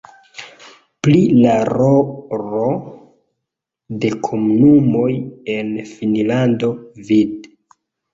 Pri la rolo de komunumoj en Finnlando vd.